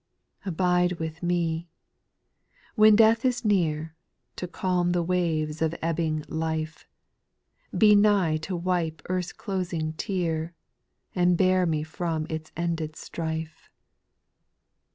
4. *' Abide with me " when death is near, To calm the waves of ebbing life ; Be nigh to wipe earth's closing tear, And bear me from its ended strife.